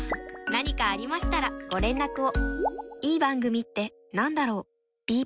何かありましたらご連絡を。